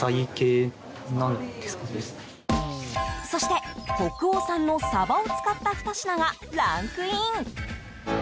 そして北欧産のサバを使った２品がランクイン。